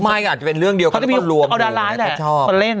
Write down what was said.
ไม่อาจจะเป็นเรื่องเดียวเค้าจะมีเอาดาร้ายแหละเค้าชอบคนเล่น